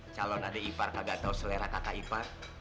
calon adik ipar kagak tau selera kakak ipar